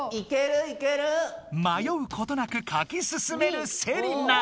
まようことなく書きすすめるセリナ！